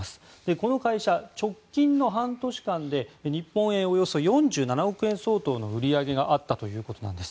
この会社は直近の半年間で日本円およそ４７億円相当の売り上げがあったということなんです。